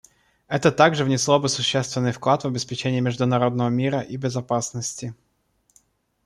Это также внесло бы существенный вклад в обеспечение международного мира и безопасности.